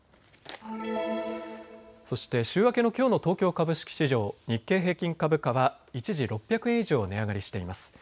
そして週明けのきょうの東京株式市場、日経平均株価は一時、６００円以上値上がりしています。